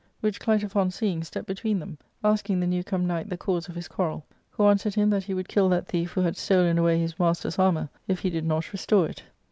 Which Clitophon seeing, stepped between them, asking the newcome knight the cause of his quarrel, who answered him that he would kill that thief, who had stolen away his master's armour, if he did not restore it.